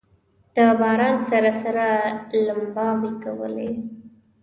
د باران سره سره لمباوې کولې.